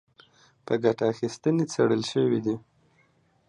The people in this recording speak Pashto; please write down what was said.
په ګټه اخیستنې څېړل شوي دي